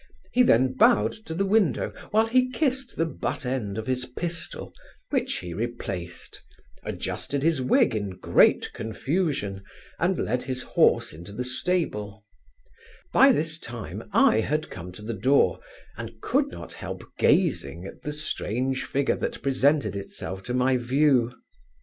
He then bowed to the window, while he kissed the butt end of his pistol, which he replaced; adjusted his wig in great confusion, and led his horse into the stable By this time I had come to the door, and could not help gazing at the strange figure that presented itself to my view.